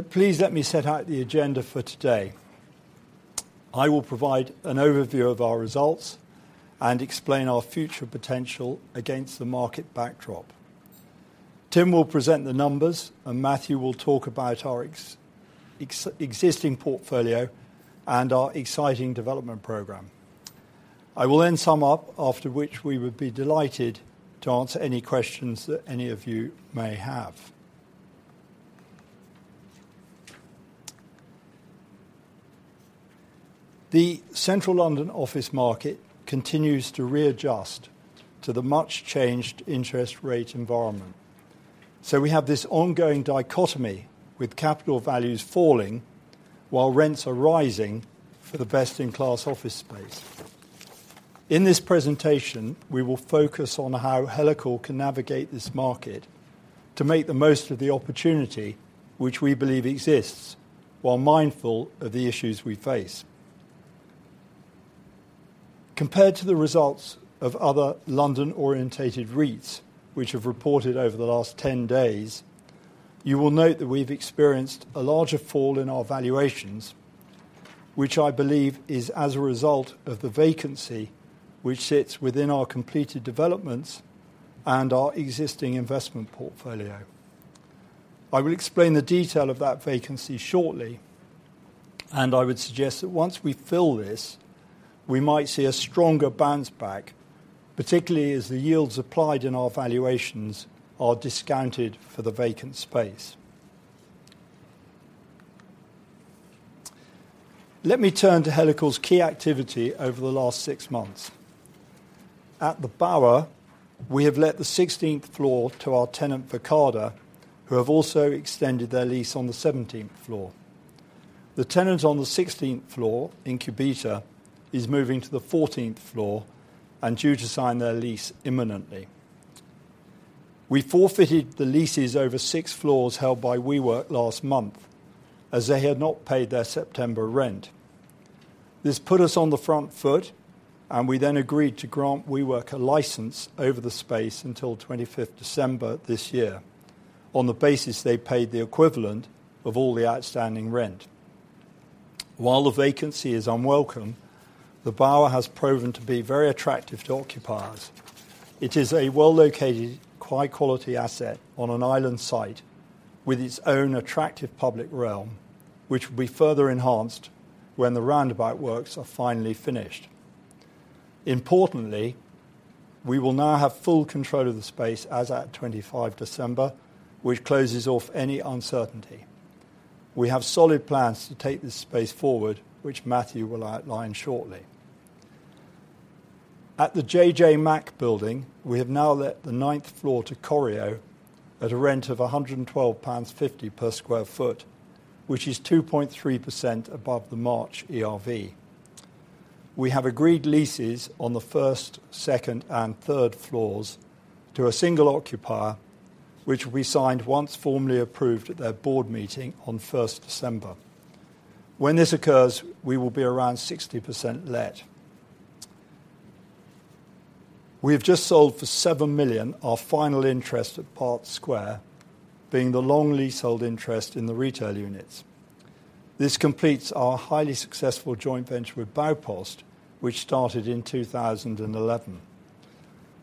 Please let me set out the agenda for today. I will provide an overview of our results and explain our future potential against the market backdrop. Tim will present the numbers, and Matthew will talk about our existing portfolio and our exciting development program. I will then sum up, after which we would be delighted to answer any questions that any of you may have. The Central London office market continues to readjust to the much-changed interest rate environment. We have this ongoing dichotomy, with capital values falling while rents are rising for the best-in-class office space. In this presentation, we will focus on how Helical can navigate this market to make the most of the opportunity which we believe exists, while mindful of the issues we face. Compared to the results of other London-oriented REITs, which have reported over the last 10 days, you will note that we've experienced a larger fall in our valuations, which I believe is as a result of the vacancy, which sits within our completed developments and our existing investment portfolio. I will explain the detail of that vacancy shortly, and I would suggest that once we fill this, we might see a stronger bounce back, particularly as the yields applied in our valuations are discounted for the vacant space. Let me turn to Helical's key activity over the last six months. At The Bower, we have let the sixteenth floor to our tenant, Verkada, who have also extended their lease on the seventeenth floor. The tenant on the sixteenth floor, Incubeta, is moving to the fourteenth floor and due to sign their lease imminently. We forfeited the leases over six floors held by WeWork last month, as they had not paid their September rent. This put us on the front foot, and we then agreed to grant WeWork a license over the space until 25th December this year, on the basis they paid the equivalent of all the outstanding rent. While the vacancy is unwelcome, The Bower has proven to be very attractive to occupiers. It is a well-located, high-quality asset on an island site with its own attractive public realm, which will be further enhanced when the roundabout works are finally finished. Importantly, we will now have full control of the space as at 25 December, which closes off any uncertainty. We have solid plans to take this space forward, which Matthew will outline shortly. At the JJ Mack Building, we have now let the ninth floor to Corio at a rent of 112.50 pounds per sq ft, which is 2.3% above the March ERV. We have agreed leases on the first, second, and third floors to a single occupier, which will be signed once formally approved at their board meeting on 1st December. When this occurs, we will be around 60% let. We have just sold for 7 million our final interest at Park Square, being the long leasehold interest in the retail units. This completes our highly successful joint venture with Baupost, which started in 2011.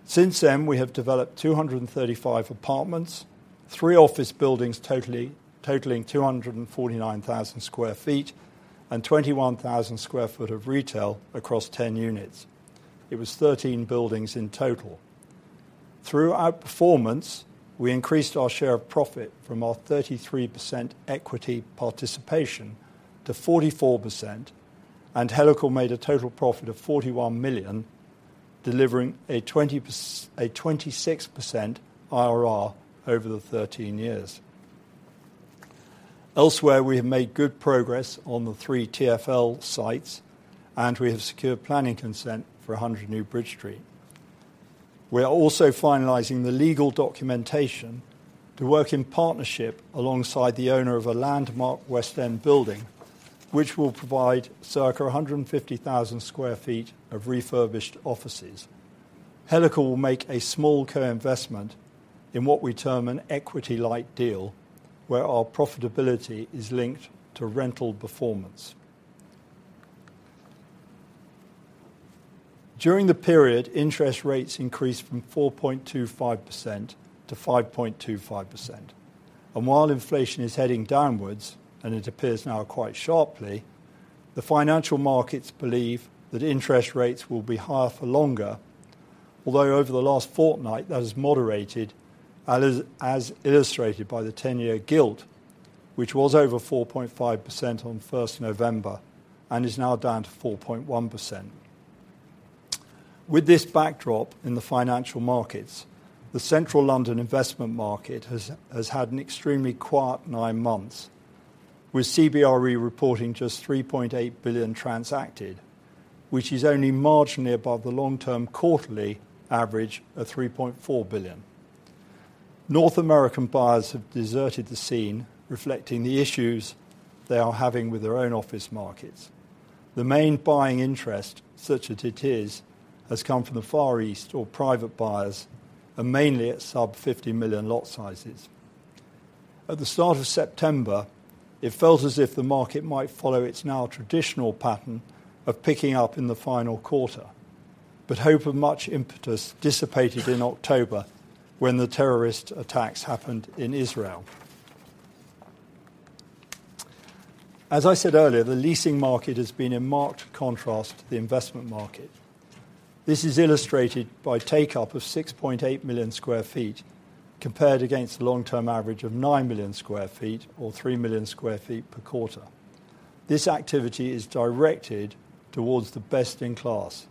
Since then, we have developed 235 apartments, three office buildings totaling 249,000 sq ft, and 21,000 sq ft of retail across 10 units. It was 13 buildings in total. Through our performance, we increased our share of profit from our 33% equity participation to 44%, and Helical made a total profit of 41 million, delivering a 26% IRR over the 13 years. Elsewhere, we have made good progress on the three TfL sites, and we have secured planning consent for 100 New Bridge Street. We are also finalizing the legal documentation to work in partnership alongside the owner of a landmark West End building, which will provide circa 150,000 sq ft of refurbished offices. Helical will make a small co-investment in what we term an equity-like deal, where our profitability is linked to rental performance. During the period, interest rates increased from 4.25% to 5.25%. And while inflation is heading downwards, and it appears now quite sharply, the financial markets believe that interest rates will be higher for longer, although over the last fortnight, that has moderated, as illustrated by the 10-year Gilt, which was over 4.5% on 1st November and is now down to 4.1%. With this backdrop in the financial markets, the Central London investment market has had an extremely quiet nine months, with CBRE reporting just 3.8 billion transacted, which is only marginally above the long-term quarterly average of 3.4 billion. North American buyers have deserted the scene, reflecting the issues they are having with their own office markets... The main buying interest, such that it is, has come from the Far East or private buyers, and mainly at sub-GBP 50 million lot sizes. At the start of September, it felt as if the market might follow its now traditional pattern of picking up in the final quarter, but hope of much impetus dissipated in October when the terrorist attacks happened in Israel. As I said earlier, the leasing market has been in marked contrast to the investment market. This is illustrated by take-up of 6.8 million sq ft, compared against the long-term average of 9 million sq ft or 3 million sq ft per quarter. This activity is directed towards the best-in-class,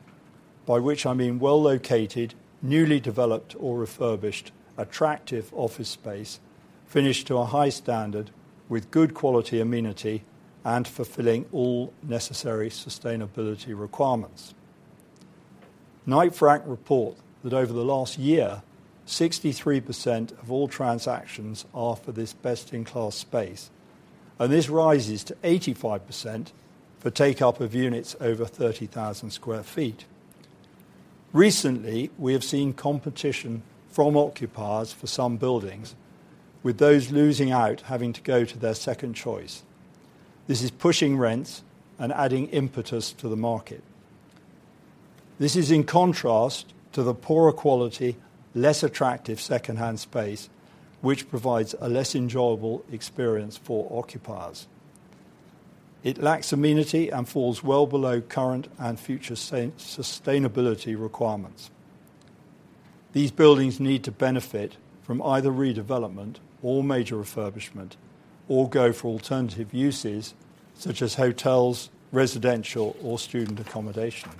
by which I mean well-located, newly developed or refurbished, attractive office space, finished to a high standard, with good quality amenity and fulfilling all necessary sustainability requirements. Knight Frank report that over the last year, 63% of all transactions are for this best in class space, and this rises to 85% for take up of units over 30,000 sq ft. Recently, we have seen competition from occupiers for some buildings, with those losing out having to go to their second choice. This is pushing rents and adding impetus to the market. This is in contrast to the poorer quality, less attractive second-hand space, which provides a less enjoyable experience for occupiers. It lacks amenity and falls well below current and future sustainability requirements. These buildings need to benefit from either redevelopment or major refurbishment, or go for alternative uses such as hotels, residential, or student accommodation.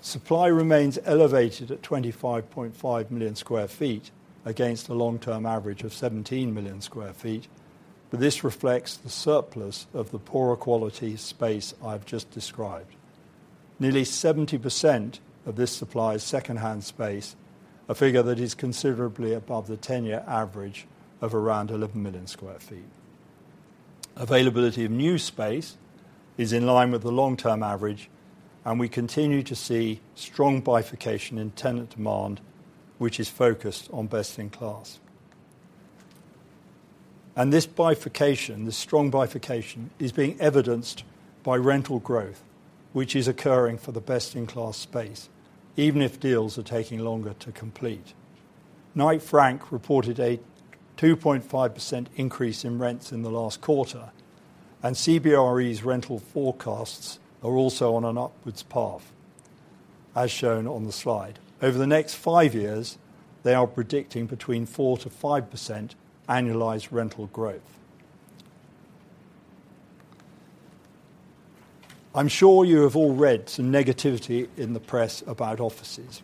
Supply remains elevated at 25.5 million sq ft against a long-term average of 17 million sq ft, but this reflects the surplus of the poorer quality space I've just described. Nearly 70% of this supply is second-hand space, a figure that is considerably above the 10-year average of around 11 million sq ft. Availability of new space is in line with the long-term average, and we continue to see strong bifurcation in tenant demand, which is focused on best in class. This bifurcation, this strong bifurcation, is being evidenced by rental growth, which is occurring for the best in class space, even if deals are taking longer to complete. Knight Frank reported a 2.5% increase in rents in the last quarter, and CBRE's rental forecasts are also on an upwards path, as shown on the slide. Over the next five years, they are predicting between 4%-5% annualized rental growth. I'm sure you have all read some negativity in the press about offices,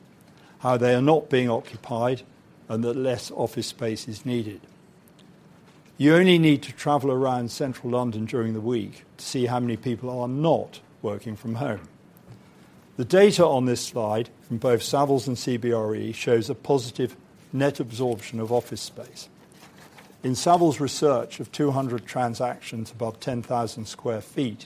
how they are not being occupied and that less office space is needed. You only need to travel around Central London during the week to see how many people are not working from home. The data on this slide from both Savills and CBRE shows a positive net absorption of office space. In Savills' research of 200 transactions above 10,000 sq ft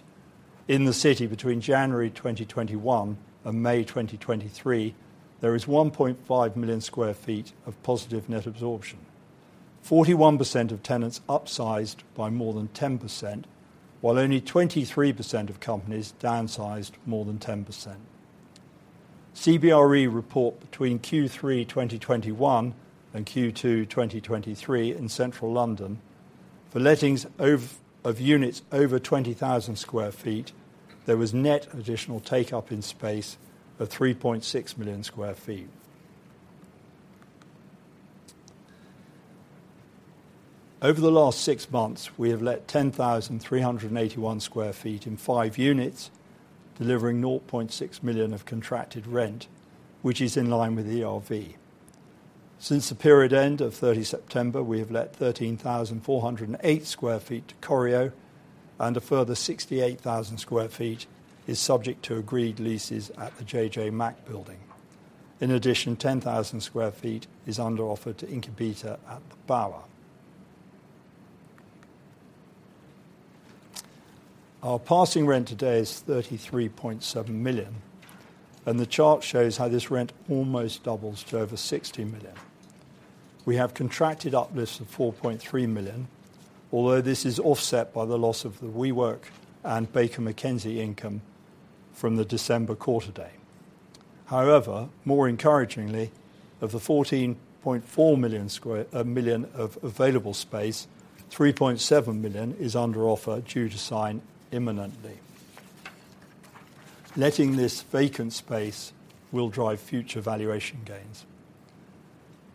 in the City between January 2021 and May 2023, there is 1.5 million sq ft of positive net absorption. 41% of tenants upsized by more than 10%, while only 23% of companies downsized more than 10%. CBRE report between Q3 2021 and Q2 2023 in Central London, for lettings of units over 20,000 sq ft, there was net additional take up in space of 3.6 million sq ft. Over the last six months, we have let 10,381 sq ft in five units, delivering 0.6 million of contracted rent, which is in line with the ERV. Since the period end of 30 September, we have let 13,408 sq ft to Corio, and a further 68,000 sq ft is subject to agreed leases at the JJ Mack Building. In addition, 10,000 sq ft is under offer to Incubeta at The Bower. Our passing rent today is 33.7 million, and the chart shows how this rent almost doubles to over 60 million. We have contracted uplifts of 4.3 million, although this is offset by the loss of the WeWork and Baker McKenzie income from the December quarter day. However, more encouragingly, of the 14.4 million sq ft of available space, 3.7 million sq ft is under offer due to sign imminently. Letting this vacant space will drive future valuation gains.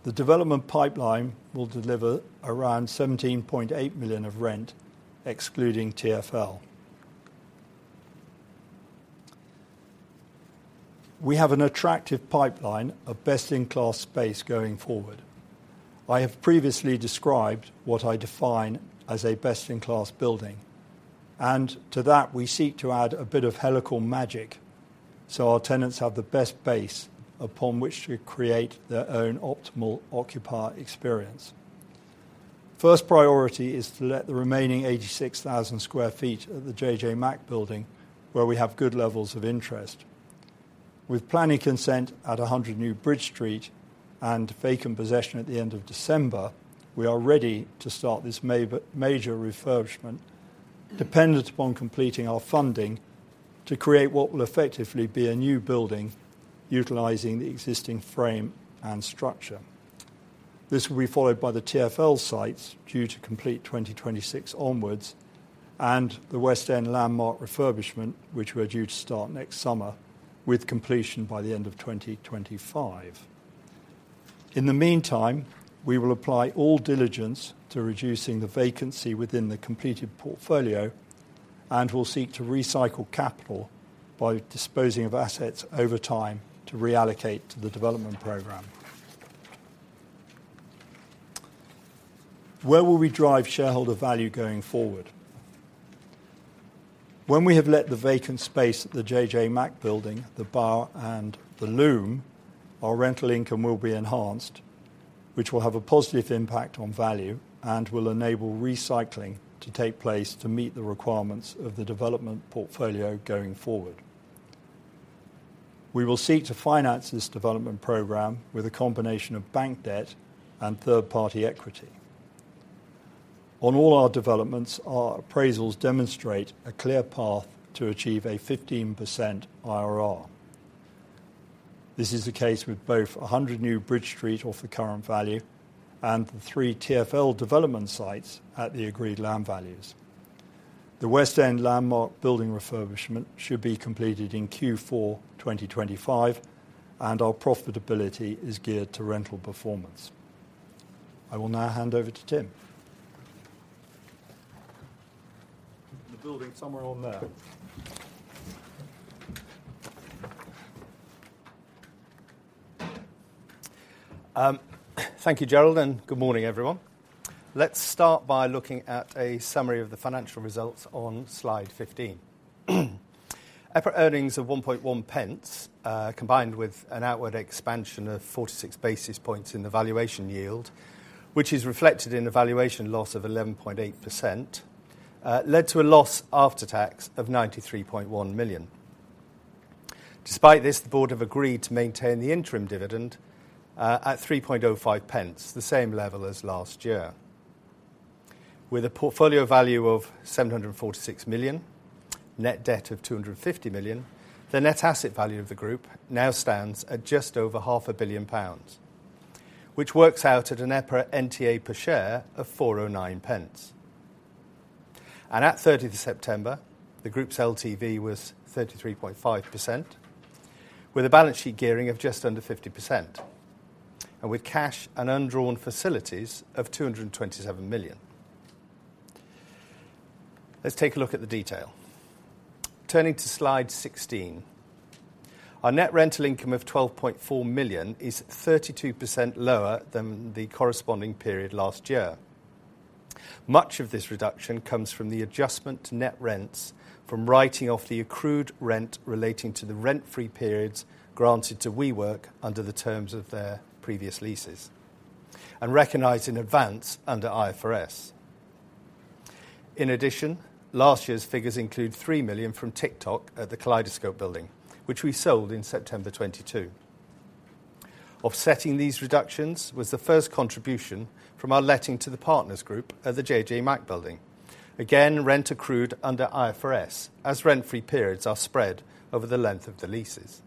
The development pipeline will deliver around 17.8 million of rent, excluding TfL. We have an attractive pipeline of best-in-class space going forward. I have previously described what I define as a best-in-class building, and to that, we seek to add a bit of Helical magic, so our tenants have the best base upon which to create their own optimal occupier experience.... First priority is to let the remaining 86,000 sq ft of the JJ Mack Building, where we have good levels of interest. With planning consent at 100 New Bridge Street and vacant possession at the end of December, we are ready to start this major refurbishment, dependent upon completing our funding, to create what will effectively be a new building, utilizing the existing frame and structure. This will be followed by the TfL sites, due to complete 2026 onwards, and the West End landmark refurbishment, which we're due to start next summer, with completion by the end of 2025. In the meantime, we will apply all diligence to reducing the vacancy within the completed portfolio and will seek to recycle capital by disposing of assets over time to reallocate to the development program. Where will we drive shareholder value going forward? When we have let the vacant space at the JJ Mack Building, The Bower and The Loom, our rental income will be enhanced, which will have a positive impact on value and will enable recycling to take place to meet the requirements of the development portfolio going forward. We will seek to finance this development program with a combination of bank debt and third-party equity. On all our developments, our appraisals demonstrate a clear path to achieve a 15% IRR. This is the case with both 100 New Bridge Street off the current value and the three TfL development sites at the agreed land values. The West End landmark building refurbishment should be completed in Q4 2025, and our profitability is geared to rental performance. I will now hand over to Tim. The building, somewhere on there. Thank you, Gerald, and good morning, everyone. Let's start by looking at a summary of the financial results on slide 15. EPRA earnings of 0.011, combined with an outward expansion of 46 basis points in the valuation yield, which is reflected in a valuation loss of 11.8%, led to a loss after tax of 93.1 million. Despite this, the board have agreed to maintain the interim dividend at 3.05, the same level as last year. With a portfolio value of 746 million, net debt of 250 million, the net asset value of the group now stands at just over 500 million pounds, which works out at an EPRA NTA per share of 4.09. At 30th of September, the group's LTV was 33.5%, with a balance sheet gearing of just under 50%, and with cash and undrawn facilities of 227 million. Let's take a look at the detail. Turning to slide 16, our net rental income of 12.4 million is 32% lower than the corresponding period last year. Much of this reduction comes from the adjustment to net rents from writing off the accrued rent relating to the rent-free periods granted to WeWork under the terms of their previous leases and recognized in advance under IFRS. In addition, last year's figures include 3 million from TikTok at the Kaleidoscope Building, which we sold in September 2022. Offsetting these reductions was the first contribution from our letting to the Partners Group at the JJ Mack Building. Again, rent accrued under IFRS, as rent-free periods are spread over the length of the leases.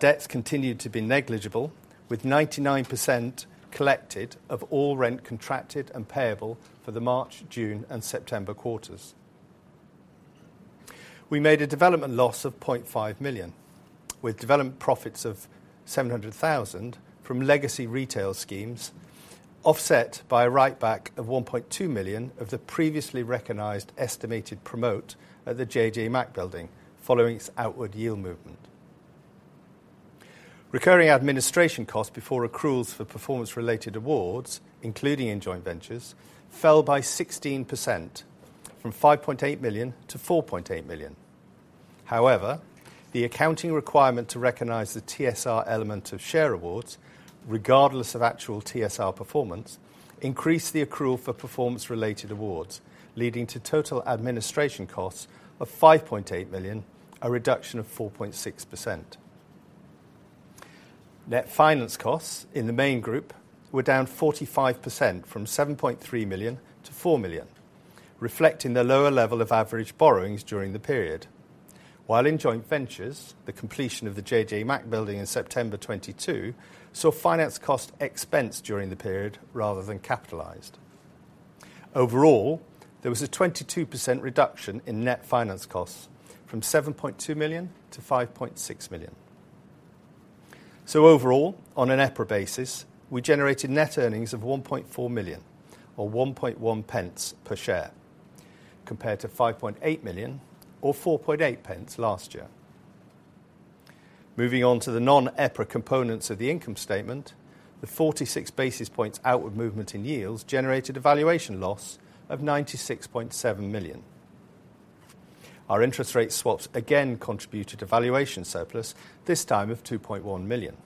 Debts continued to be negligible, with 99% collected of all rent contracted and payable for the March, June, and September quarters. We made a development loss of 0.5 million, with development profits of 700 thousand from legacy retail schemes, offset by a write back of 1.2 million of the previously recognized estimated promote at the JJ Mack Building, following its outward yield movement. Recurring administration costs before accruals for performance-related awards, including in joint ventures, fell by 16%, from 5.8 million-4.8 million. However, the accounting requirement to recognize the TSR element of share awards, regardless of actual TSR performance, increased the accrual for performance-related awards, leading to total administration costs of 5.8 million, a reduction of 4.6%. Net finance costs in the main group were down 45%, from 7.3 million to 4 million, reflecting the lower level of average borrowings during the period. While in joint ventures, the completion of the JJ Mack Building in September 2022, saw finance cost expense during the period rather than capitalized. Overall, there was a 22% reduction in net finance costs, from 7.2 million to 5.6 million. So overall, on an EPRA basis, we generated net earnings of 1.4 million, or 1.1 per share, compared to 5.8 million, or 4.8 last year. Moving on to the non-EPRA components of the income statement, the 46 basis points outward movement in yields generated a valuation loss of 96.7 million.... Our interest rate swaps again contributed a valuation surplus, this time of 2.1 million.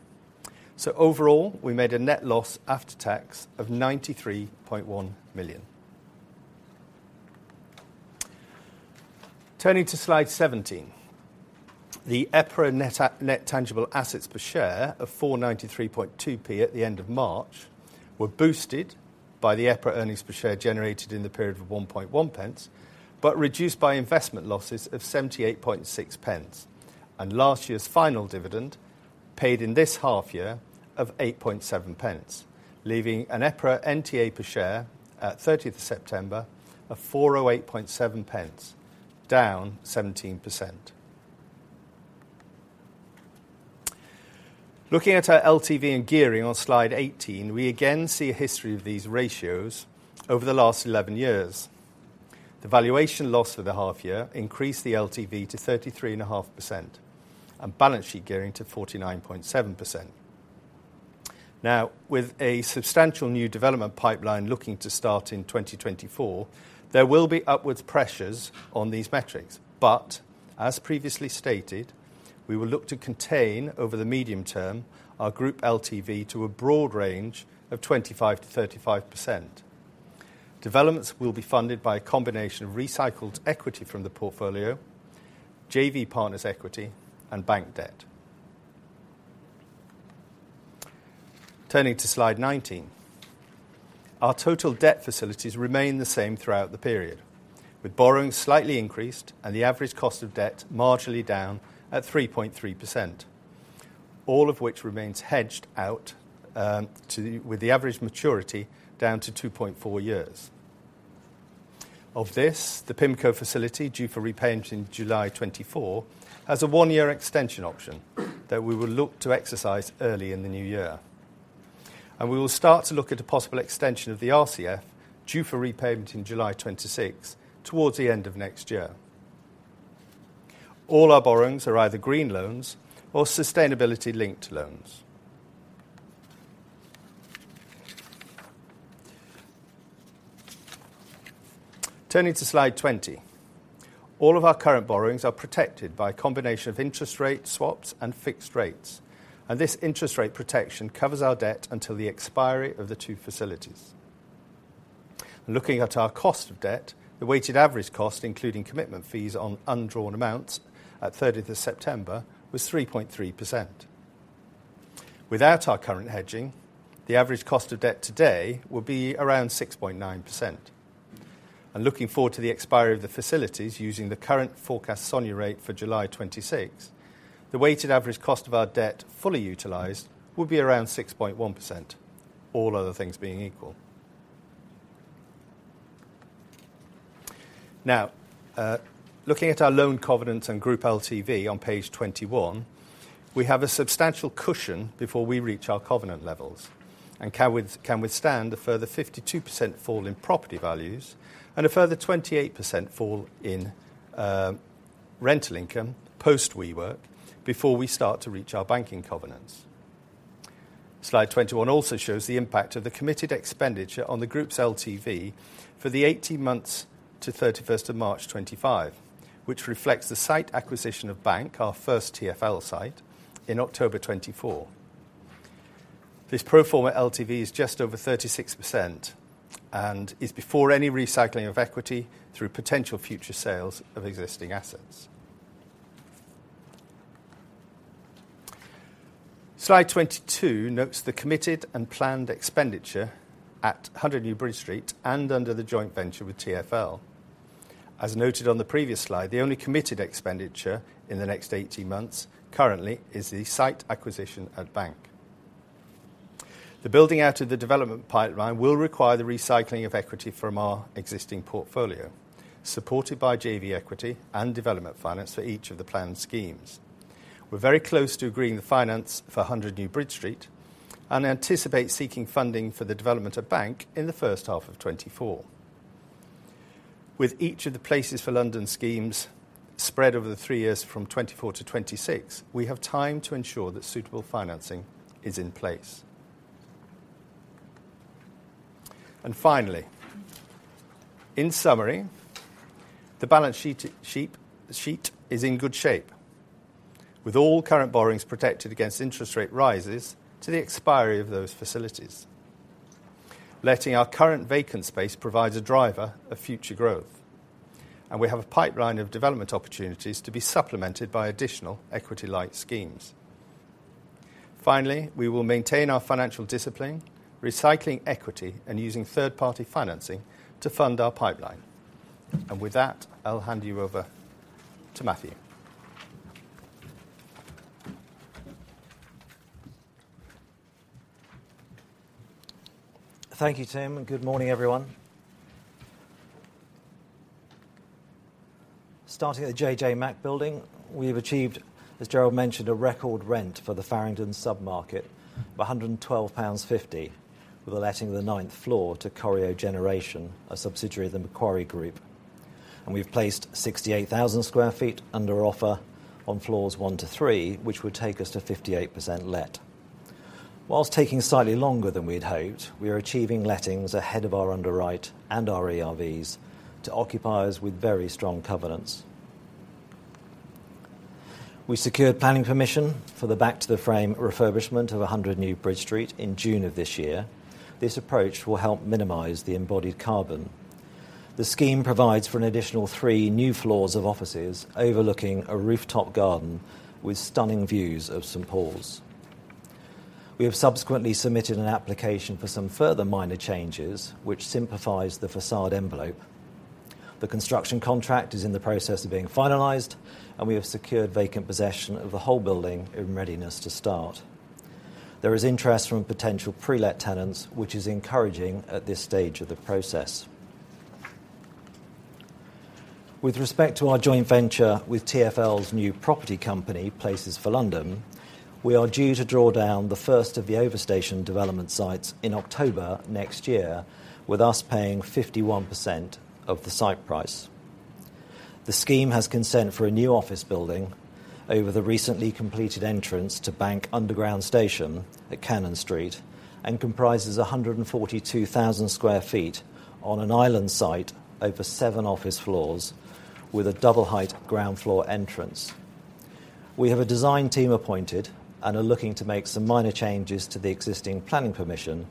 So overall, we made a net loss after tax of 93.1 million. Turning to slide 17, the EPRA net, net tangible assets per share of 493.2 at the end of March, were boosted by the EPRA earnings per share generated in the period of 1.1, but reduced by investment losses of 78.6. Last year's final dividend, paid in this half year, of 8.7, leaving an EPRA NTA per share at 30th September of 408.7, down 17%. Looking at our LTV and gearing on Slide 18, we again see a history of these ratios over the last 11 years. The valuation loss for the half year increased the LTV to 33.5%, and balance sheet gearing to 49.7%. Now, with a substantial new development pipeline looking to start in 2024, there will be upwards pressures on these metrics. But as previously stated, we will look to contain, over the medium term, our group LTV to a broad range of 25%-35%. Developments will be funded by a combination of recycled equity from the portfolio, JV partners equity, and bank debt. Turning to slide 19. Our total debt facilities remained the same throughout the period, with borrowing slightly increased and the average cost of debt marginally down at 3.3%, all of which remains hedged out to 2024 with the average maturity down to 2.4 years. Of this, the PIMCO facility, due for repayment in July 2024, has a one-year extension option that we will look to exercise early in the new year. We will start to look at a possible extension of the RCF, due for repayment in July 2026, towards the end of next year. All our borrowings are either green loans or sustainability-linked loans. Turning to slide 20. All of our current borrowings are protected by a combination of interest rate swaps and fixed rates, and this interest rate protection covers our debt until the expiry of the two facilities. Looking at our cost of debt, the weighted average cost, including commitment fees on undrawn amounts at 30th of September, was 3.3%. Without our current hedging, the average cost of debt today will be around 6.9%. And looking forward to the expiry of the facilities, using the current forecast SONIA rate for July 2026, the weighted average cost of our debt, fully utilized, will be around 6.1%, all other things being equal. Now, looking at our loan covenants and group LTV on page 21, we have a substantial cushion before we reach our covenant levels, and can withstand a further 52% fall in property values and a further 28% fall in rental income, post WeWork, before we start to reach our banking covenants. Slide 21 also shows the impact of the committed expenditure on the group's LTV for the 18 months to 31st of March 2025, which reflects the site acquisition of Bank, our first TfL site, in October 2024. This pro forma LTV is just over 36% and is before any recycling of equity through potential future sales of existing assets. Slide 22 notes the committed and planned expenditure at 100 New Bridge Street and under the joint venture with TfL. As noted on the previous slide, the only committed expenditure in the next 18 months, currently, is the site acquisition at Bank. The building out of the development pipeline will require the recycling of equity from our existing portfolio, supported by JV equity and development finance for each of the planned schemes. We're very close to agreeing the finance for 100 New Bridge Street and anticipate seeking funding for the development of Bank in the first half of 2024. With each of the Places for London schemes spread over the three years from 2024 to 2026, we have time to ensure that suitable financing is in place. And finally, in summary, the balance sheet is in good shape, with all current borrowings protected against interest rate rises to the expiry of those facilities. Letting our current vacant space provides a driver of future growth, and we have a pipeline of development opportunities to be supplemented by additional equity-light schemes. Finally, we will maintain our financial discipline, recycling equity and using third-party financing to fund our pipeline. And with that, I'll hand you over to Matthew. Thank you, Tim, and good morning, everyone. Starting at the JJ Mack Building, we have achieved, as Gerald mentioned, a record rent for the Farringdon submarket of 112.50 pounds, with the letting of the 9th floor to Corio Generation, a subsidiary of the Macquarie Group. We've placed 68,000 sq ft under offer on floors 1 to 3, which would take us to 58% let. While taking slightly longer than we'd hoped, we are achieving lettings ahead of our underwrite and our ERVs to occupiers with very strong covenants. We secured planning permission for the back-to-the-frame refurbishment of 100 New Bridge Street in June of this year. This approach will help minimize the embodied carbon. The scheme provides for an additional three new floors of offices overlooking a rooftop garden with stunning views of St. Paul's. We have subsequently submitted an application for some further minor changes, which simplifies the facade envelope. The construction contract is in the process of being finalized, and we have secured vacant possession of the whole building in readiness to start. There is interest from potential pre-let tenants, which is encouraging at this stage of the process. With respect to our joint venture with TfL's new property company, Places for London, we are due to draw down the first of the overstation development sites in October next year, with us paying 51% of the site price. The scheme has consent for a new office building over the recently completed entrance to Bank Underground Station at Cannon Street, and comprises 142,000 sq ft on an island site over seven office floors with a double-height ground floor entrance. We have a design team appointed and are looking to make some minor changes to the existing planning permission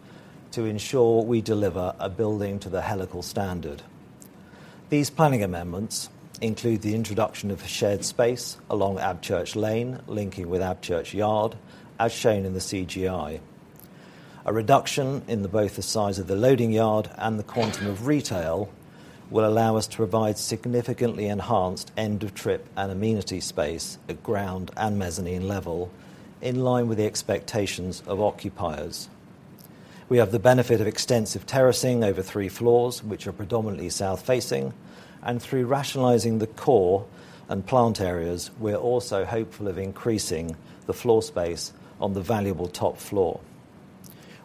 to ensure we deliver a building to the Helical standard. These planning amendments include the introduction of a shared space along Abchurch Lane, linking with Abchurch Yard, as shown in the CGI. A reduction in both the size of the loading yard and the quantum of retail will allow us to provide significantly enhanced end-of-trip and amenity space at ground and mezzanine level, in line with the expectations of occupiers. We have the benefit of extensive terracing over three floors, which are predominantly south-facing, and through rationalizing the core and plant areas, we are also hopeful of increasing the floor space on the valuable top floor.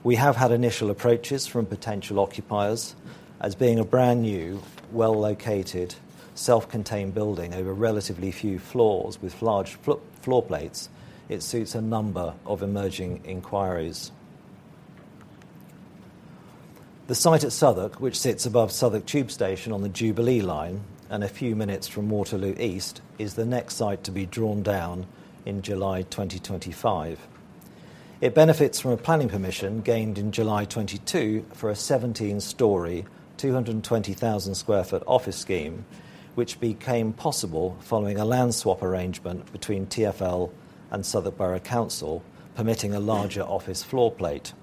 We have had initial approaches from potential occupiers as being a brand-new, well-located, self-contained building over relatively few floors with large floor plates. It suits a number of emerging inquiries. The site at Southwark, which sits above Southwark Tube Station on the Jubilee Line and a few minutes from Waterloo East, is the next site to be drawn down in July 2025. It benefits from a planning permission gained in July 2022 for a 17-story, 220,000 sq ft office scheme, which became possible following a land swap arrangement between TfL and Southwark Borough Council, permitting a larger office floor plate.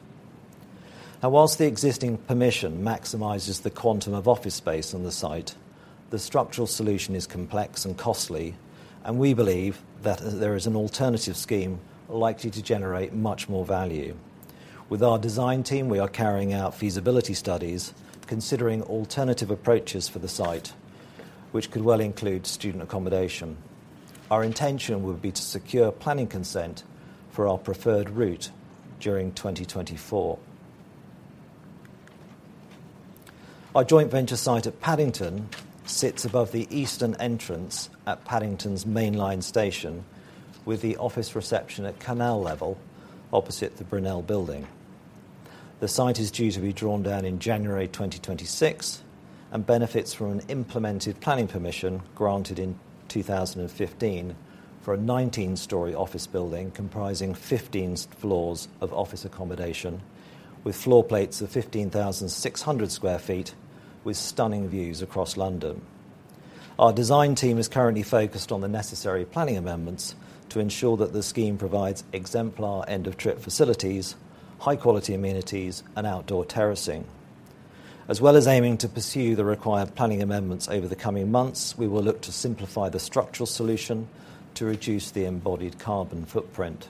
Now, while the existing permission maximizes the quantum of office space on the site, the structural solution is complex and costly, and we believe that there is an alternative scheme likely to generate much more value. With our design team, we are carrying out feasibility studies, considering alternative approaches for the site, which could well include student accommodation. Our intention would be to secure planning consent for our preferred route during 2024. Our joint venture site at Paddington sits above the eastern entrance at Paddington's mainline station, with the office reception at canal level opposite the Brunel Building. The site is due to be drawn down in January 2026 and benefits from an implemented planning permission granted in 2015 for a 19-story office building comprising 15 floors of office accommodation, with floor plates of 15,600 sq ft, with stunning views across London. Our design team is currently focused on the necessary planning amendments to ensure that the scheme provides exemplary end-of-trip facilities, high-quality amenities, and outdoor terracing. As well as aiming to pursue the required planning amendments over the coming months, we will look to simplify the structural solution to reduce the embodied carbon footprint.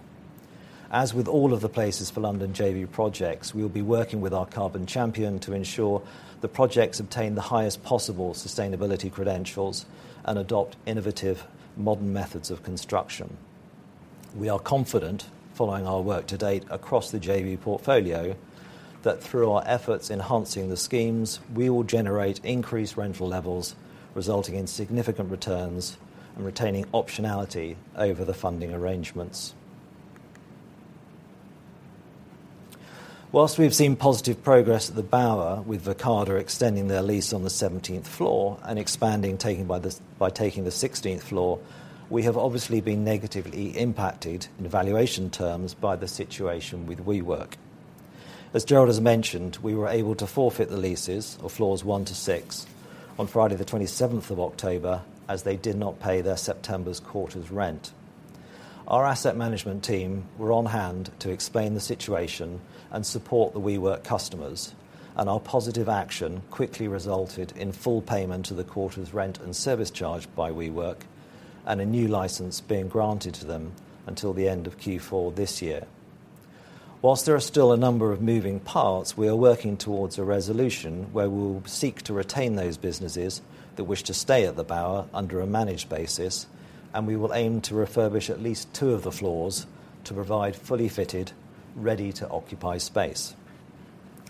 As with all of the Places for London JV projects, we will be working with our carbon champion to ensure the projects obtain the highest possible sustainability credentials and adopt innovative, modern methods of construction. We are confident, following our work to date across the JV portfolio, that through our efforts enhancing the schemes, we will generate increased rental levels, resulting in significant returns and retaining optionality over the funding arrangements. While we've seen positive progress at The Bower, with Verkada extending their lease on the 17th floor and expanding, taking the 16th floor, we have obviously been negatively impacted in valuation terms by the situation with WeWork. As Gerald has mentioned, we were able to forfeit the leases of floors 1 to 6 on Friday the 27th of October, as they did not pay their September's quarter's rent. Our asset management team were on hand to explain the situation and support the WeWork customers, and our positive action quickly resulted in full payment of the quarter's rent and service charge by WeWork, and a new license being granted to them until the end of Q4 this year. While there are still a number of moving parts, we are working towards a resolution where we will seek to retain those businesses that wish to stay at The Bower under a managed basis, and we will aim to refurbish at least two of the floors to provide fully fitted, ready-to-occupy space....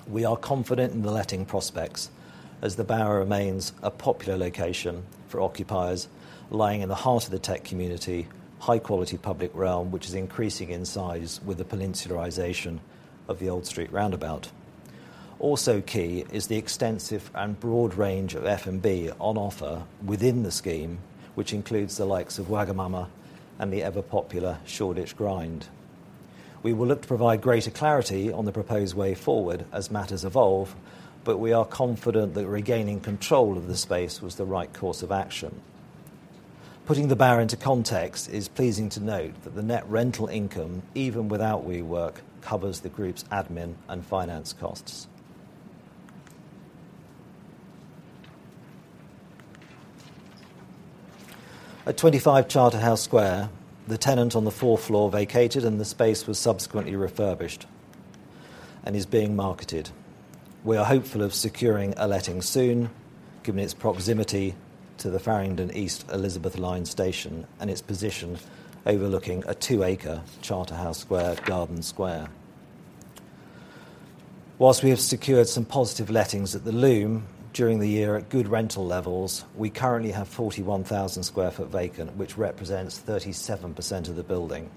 We are confident in the letting prospects, as The Bower remains a popular location for occupiers, lying in the heart of the tech community, high quality public realm, which is increasing in size with the peninsularization of the Old Street Roundabout. Also key is the extensive and broad range of F&B on offer within the scheme, which includes the likes of Wagamama and the ever-popular Shoreditch Grind. We will look to provide greater clarity on the proposed way forward as matters evolve, but we are confident that regaining control of the space was the right course of action. Putting The Bower into context, it's pleasing to note that the net rental income, even without WeWork, covers the group's admin and finance costs. At 25 Charterhouse Square, the tenant on the fourth floor vacated, and the space was subsequently refurbished and is being marketed. We are hopeful of securing a letting soon, given its proximity to the Farringdon East Elizabeth line station and its position overlooking a 2-acre Charterhouse Square garden square. Whilst we have secured some positive lettings at The Loom during the year at good rental levels, we currently have 41,000 sq ft vacant, which represents 37% of the building.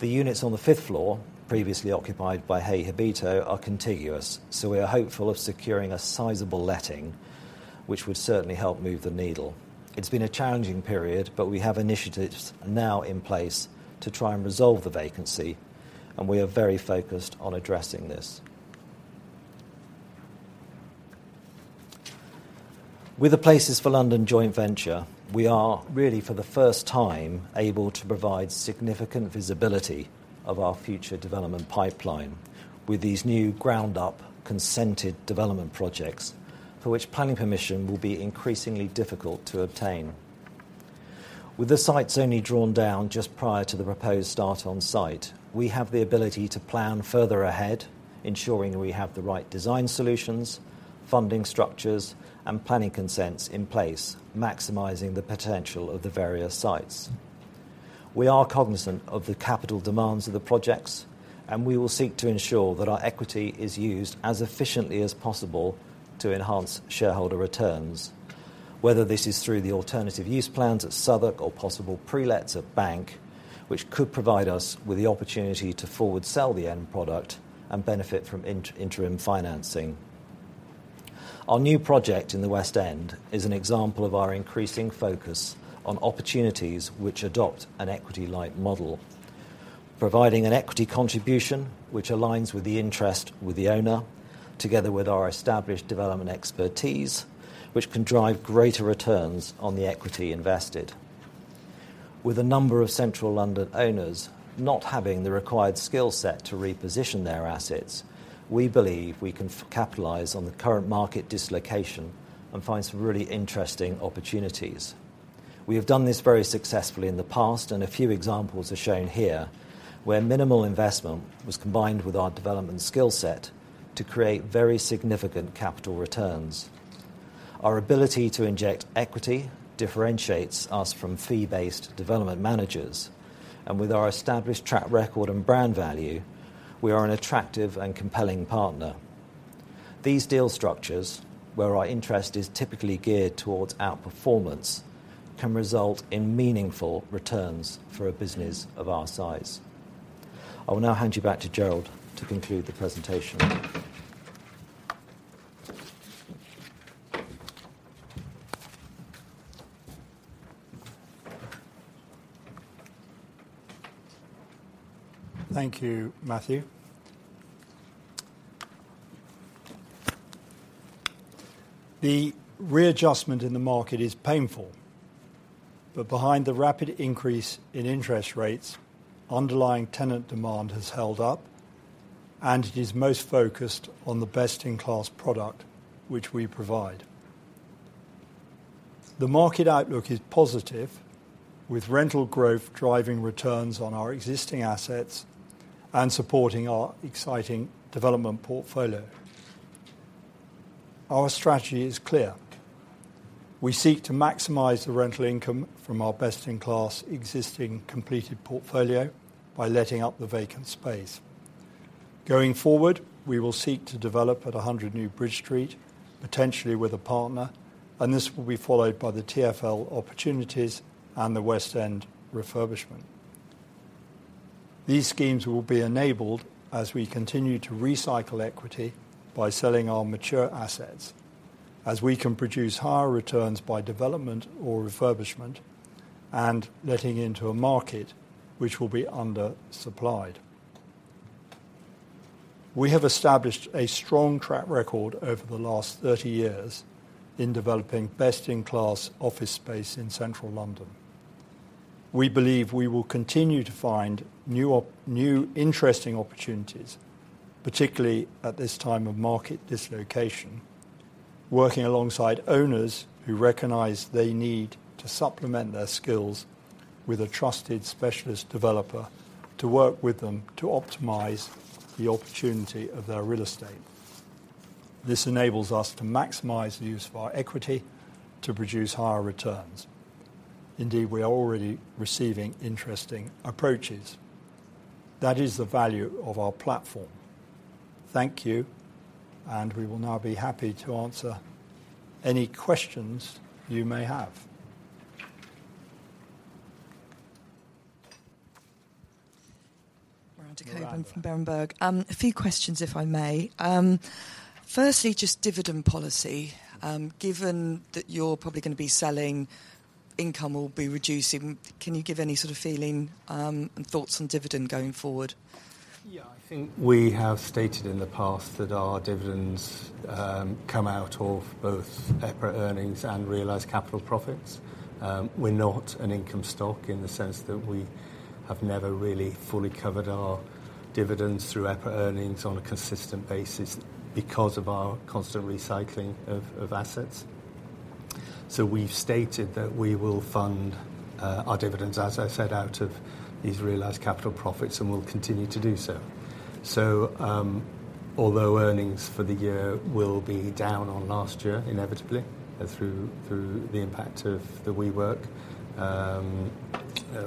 The units on the fifth floor, previously occupied by Hey Habito, are contiguous, so we are hopeful of securing a sizable letting, which would certainly help move the needle. It's been a challenging period, but we have initiatives now in place to try and resolve the vacancy, and we are very focused on addressing this. With the Places for London joint venture, we are really, for the first time, able to provide significant visibility of our future development pipeline with these new ground-up, consented development projects, for which planning permission will be increasingly difficult to obtain. With the sites only drawn down just prior to the proposed start on site, we have the ability to plan further ahead, ensuring we have the right design solutions, funding structures, and planning consents in place, maximizing the potential of the various sites. We are cognizant of the capital demands of the projects, and we will seek to ensure that our equity is used as efficiently as possible to enhance shareholder returns, whether this is through the alternative use plans at Southwark or possible pre-lets at Bank, which could provide us with the opportunity to forward sell the end product and benefit from interim financing. Our new project in the West End is an example of our increasing focus on opportunities which adopt an equity-light model, providing an equity contribution which aligns with the interest with the owner, together with our established development expertise, which can drive greater returns on the equity invested. With a number of Central London owners not having the required skill set to reposition their assets, we believe we can capitalize on the current market dislocation and find some really interesting opportunities. We have done this very successfully in the past, and a few examples are shown here, where minimal investment was combined with our development skill set to create very significant capital returns. Our ability to inject equity differentiates us from fee-based development managers, and with our established track record and brand value, we are an attractive and compelling partner. These deal structures, where our interest is typically geared towards outperformance, can result in meaningful returns for a business of our size. I will now hand you back to Gerald to conclude the presentation. Thank you, Matthew. The readjustment in the market is painful, but behind the rapid increase in interest rates, underlying tenant demand has held up, and it is most focused on the best-in-class product which we provide. The market outlook is positive, with rental growth driving returns on our existing assets and supporting our exciting development portfolio. Our strategy is clear: We seek to maximize the rental income from our best-in-class existing completed portfolio by letting out the vacant space. Going forward, we will seek to develop at 100 New Bridge Street, potentially with a partner, and this will be followed by the TfL opportunities and the West End refurbishment. These schemes will be enabled as we continue to recycle equity by selling our mature assets, as we can produce higher returns by development or refurbishment and letting into a market which will be under-supplied. We have established a strong track record over the last 30 years in developing best-in-class office space in Central London. We believe we will continue to find new interesting opportunities, particularly at this time of market dislocation, working alongside owners who recognize they need to supplement their skills with a trusted specialist developer to work with them to optimize the opportunity of their real estate.... This enables us to maximize the use of our equity to produce higher returns. Indeed, we are already receiving interesting approaches. That is the value of our platform. Thank you, and we will now be happy to answer any questions you may have. Miranda Sherwin from Berenberg. A few questions, if I may. Firstly, just dividend policy. Given that you're probably gonna be selling, income will be reducing, can you give any sort of feeling, and thoughts on dividend going forward? Yeah, I think we have stated in the past that our dividends come out of both EPRA earnings and realized capital profits. We're not an income stock in the sense that we have never really fully covered our dividends through EPRA earnings on a consistent basis because of our constant recycling of assets. So we've stated that we will fund our dividends, as I said, out of these realized capital profits, and we'll continue to do so. So, although earnings for the year will be down on last year, inevitably, through the impact of the WeWork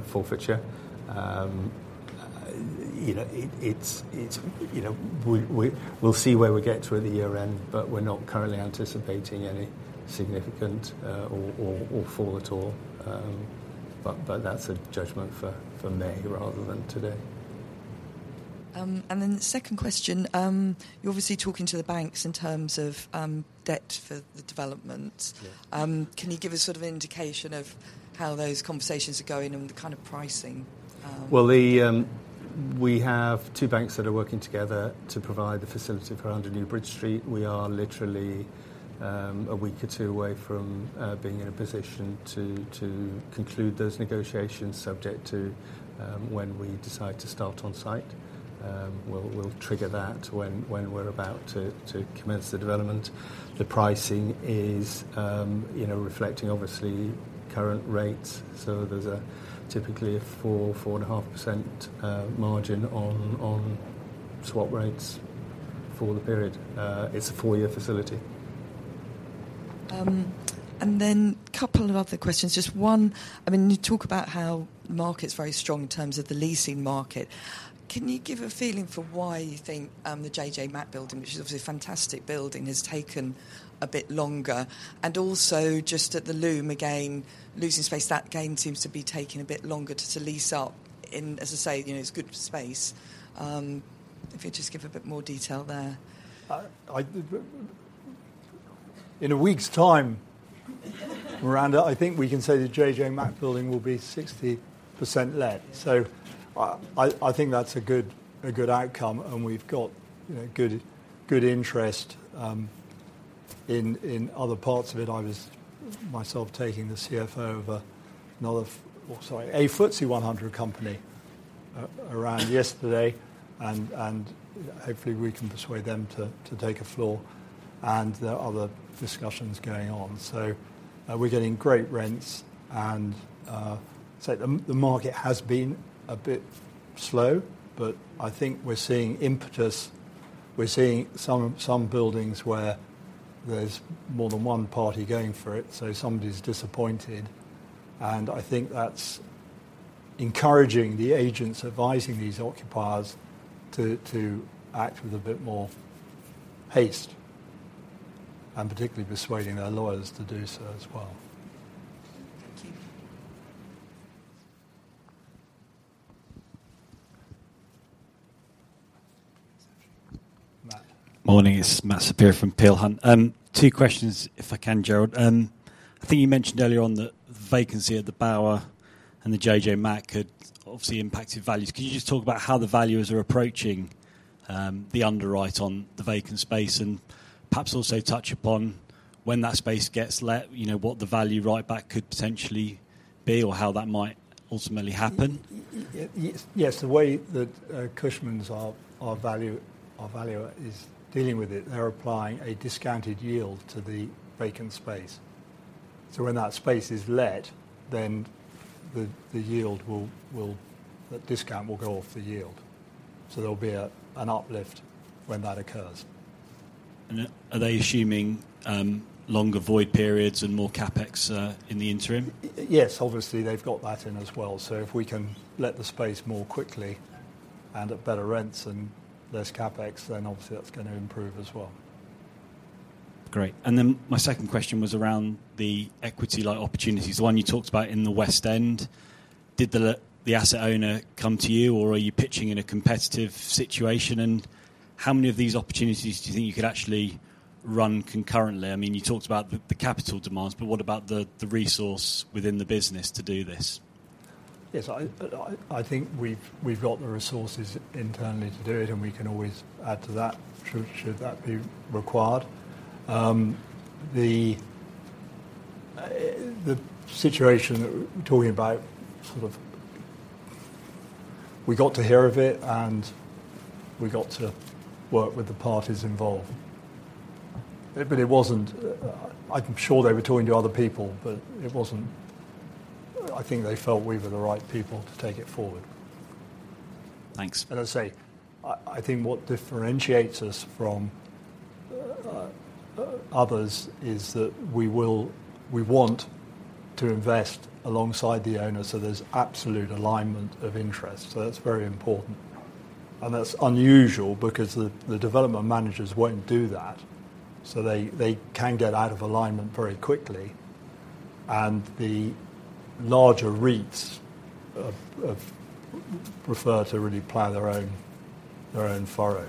forfeiture, you know, it, it's, you know... We'll see where we get to at the year end, but we're not currently anticipating any significant or fall at all. But that's a judgment for May rather than today. And then the second question, you're obviously talking to the banks in terms of debt for the developments. Yeah. Can you give a sort of indication of how those conversations are going and the kind of pricing? Well, we have two banks that are working together to provide the facility for our 100 New Bridge Street. We are literally a week or two away from being in a position to conclude those negotiations, subject to when we decide to start on site. We'll trigger that when we're about to commence the development. The pricing is, you know, reflecting obviously current rates, so there's typically a 4%-4.5% margin on swap rates for the period. It's a 4-year facility. And then a couple of other questions. Just one, I mean, you talk about how market's very strong in terms of the leasing market. Can you give a feeling for why you think the JJ Mack Building, which is obviously a fantastic building, has taken a bit longer? And also, just at The Loom, again, leasing space, that again seems to be taking a bit longer to lease up in... As I say, you know, it's good space. If you'd just give a bit more detail there. In a week's time, Miranda, I think we can say the JJ Mack Building will be 60% let. So I think that's a good outcome, and we've got, you know, good interest in other parts of it. I was myself taking the CFO of another, sorry, a FTSE 100 company around yesterday, and hopefully, we can persuade them to take a floor, and there are other discussions going on. So we're getting great rents, and so the market has been a bit slow, but I think we're seeing impetus. We're seeing some buildings where there's more than one party going for it, so somebody's disappointed, and I think that's encouraging the agents advising these occupiers to act with a bit more haste, and particularly persuading their lawyers to do so as well. Thank you. Matt? Morning. It's Matt Saperia from Peel Hunt. Two questions, if I can, Gerald. I think you mentioned earlier on the vacancy of The Bower and the JJ Mack had obviously impacted values. Can you just talk about how the valuers are approaching the underwrite on the vacant space? And perhaps also touch upon when that space gets let, you know, what the value right back could potentially be or how that might ultimately happen. Yes, yes. The way that Cushman's, our valuer is dealing with it, they're applying a discounted yield to the vacant space. So when that space is let, then the yield will... The discount will go off the yield, so there'll be a, an uplift when that occurs. Are they assuming longer void periods and more CapEx in the interim? Yes, obviously, they've got that in as well. So if we can let the space more quickly and at better rents and less CapEx, then obviously that's gonna improve as well. Great. And then my second question was around the equity-like opportunities, the one you talked about in the West End. Did the the asset owner come to you, or are you pitching in a competitive situation? And how many of these opportunities do you think you could actually run concurrently? I mean, you talked about the, the capital demands, but what about the, the resource within the business to do this? Yes, I think we've got the resources internally to do it, and we can always add to that, should that be required. The situation we're talking about, sort of, we got to hear of it, and we got to work with the parties involved. But it wasn't... I'm sure they were talking to other people, but it wasn't... I think they felt we were the right people to take it forward. Thanks. I say, I think what differentiates us from others is that we want to invest alongside the owner, so there's absolute alignment of interest, so that's very important. And that's unusual because the development managers won't do that, so they can get out of alignment very quickly, and the larger REITs prefer to really plow their own furrow.